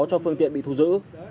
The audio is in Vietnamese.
cho phương tiện bị thu giữ